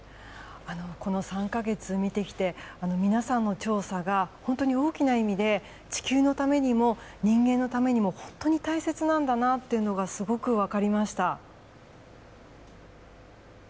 この３か月、見てきて皆さんの調査が本当に大きな意味で地球のためにも、人間のためにも本当に大切なんだなというのがすごく分かりました。